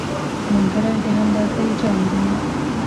ملګری د همدردۍ جام دی